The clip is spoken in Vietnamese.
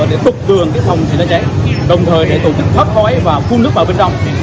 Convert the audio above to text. để tục đường phòng chế cháy đồng thời để tổ chức hấp hói và phun nước vào bên trong